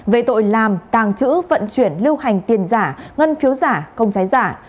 về tội làm tàng trữ vận chuyển lưu hành tiền giả ngân phiếu giả công trái giả